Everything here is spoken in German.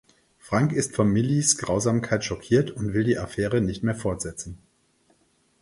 Frank ist von Millies Grausamkeit schockiert und will die Affäre nicht mehr fortsetzen.